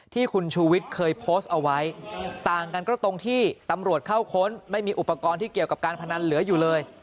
ที่คุณชูวิทย์เคยโพสต์เอาไว้ต่างกันก็ตรงที่ตำรวจเข้าค้นไม่มีอุปกรณ์ที่เกี่ยวกับการพนันเหลืออยู่เลย